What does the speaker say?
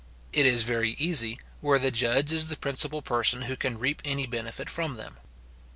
It is very easy, where the judge is the principal person who can reap any benefit from them.